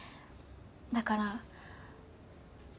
だから。